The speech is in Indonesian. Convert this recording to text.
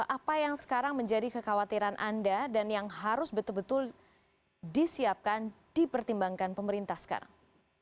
apa yang sekarang menjadi kekhawatiran anda dan yang harus betul betul disiapkan dipertimbangkan pemerintah sekarang